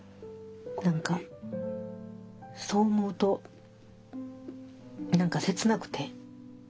何かそう思うと何か切なくて。